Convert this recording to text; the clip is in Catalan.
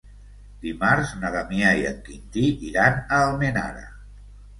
Dimarts na Damià i en Quintí iran a Almenara.